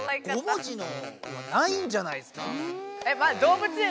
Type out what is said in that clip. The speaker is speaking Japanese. ５文字のはないんじゃないですか？